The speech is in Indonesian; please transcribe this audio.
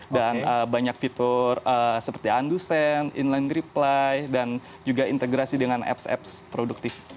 dan banyak fitur seperti undusen inline reply dan juga integrasi dengan apps apps produktif